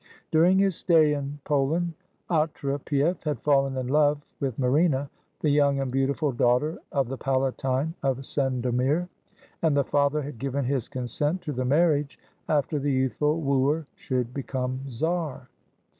During his stay in Poland, Otrepief had fallen in love with Marina, the young and beautiful daughter of the Palatine of Sendomir, and the father had given his con sent to the marriage after the youthful wooer should be come czar.